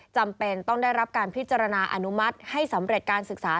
จำเป็นต้องได้รับการพิจารณาอนุมัติให้สำเร็จการศึกษา